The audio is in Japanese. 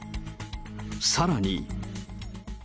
さらに。